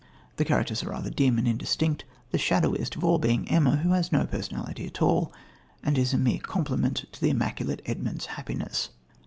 The characters are rather dim and indistinct, the shadowiest of all being Emma, who has no personality at all, and is a mere complement to the immaculate Edmund's happiness.